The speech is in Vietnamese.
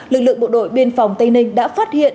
lực lượng bộ đội biên phòng tây ninh đã phát hiện